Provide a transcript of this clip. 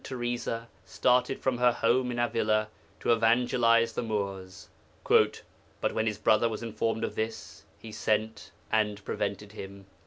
Teresa started from her home at Avila to evangelize the Moors. 'But when his brother was informed of this, he sent and prevented him.'